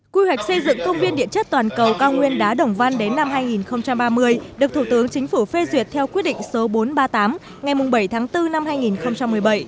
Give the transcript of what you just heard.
quy hoạch xây dựng công viên điện chất toàn cầu cao nguyên đá đồng văn đến năm hai nghìn ba mươi được thủ tướng chính phủ phê duyệt theo quyết định số bốn trăm ba mươi tám ngày bảy tháng bốn năm hai nghìn một mươi bảy